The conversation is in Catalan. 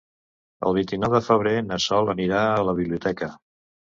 El vint-i-nou de febrer na Sol anirà a la biblioteca.